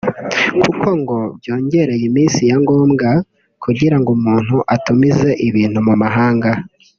kuko ngo byongereye iminsi ya ngombwa kugira ngo umuntu atumize ibintu mu mahanga